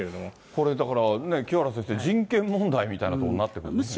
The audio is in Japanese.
これ、だから清原先生、人権問題ということになってくるんですね。